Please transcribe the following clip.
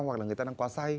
hoặc là người ta đang quá say